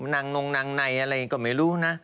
นางนงนางในอะไรก็ไม่รู้นะ